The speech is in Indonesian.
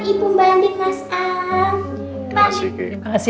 ibu cuma hukum untuk sih